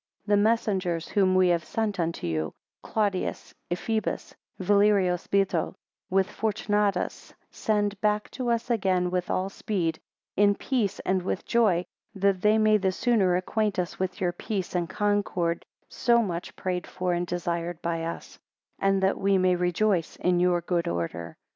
3 The messengers whom we have sent unto you, Claudius, Ephebus, and Valerios Bito, with Fortunatus, send back to us again with all speed, in peace and with joy, that they may the sooner acquaint us with your peace and concord, so much prayed for and desired by us: and that we may rejoice in your good order.